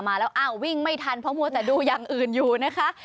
มาแล้วอ้าววิ่งไม่ทันเพราะมัวแต่ดูอย่างอื่นอยู่นะคะ